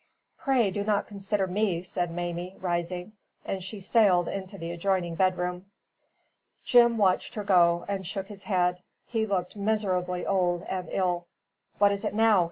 "Pray do not consider me," said Mamie, rising, and she sailed into the adjoining bedroom. Jim watched her go and shook his head; he looked miserably old and ill. "What is it, now?"